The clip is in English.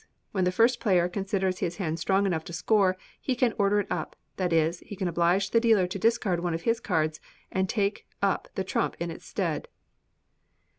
When the first player considers his hand strong enough to score, he can order it up that is, he can oblige the dealer to discard one of his cards and take up the trump in its stead.